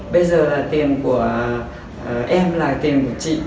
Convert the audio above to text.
bây giờ là tiền của em là tiền của chị